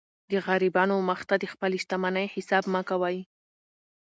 د غریبانو و مخ ته د خپلي شتمنۍ حساب مه کوئ!